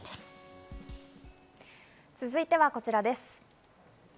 続いては、こちらです。